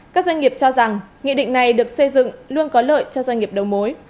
các doanh nghiệp cho rằng nghị định này được xây dựng luôn có lợi cho doanh nghiệp đầu mối